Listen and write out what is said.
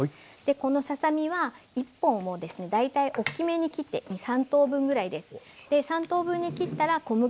このささ身は一本を大体大きめに切って２３等分ぐらいです。